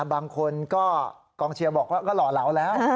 บางคนก็กองเชียร์บอกว่าก็หล่อเหลาแล้ว